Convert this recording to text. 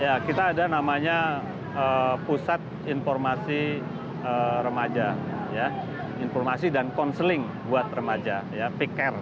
ya kita ada namanya pusat informasi remaja informasi dan konseling buat remaja ya pick care